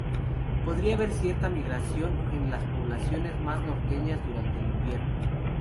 Podría haber cierta migración en las poblaciones más norteñas durante el invierno.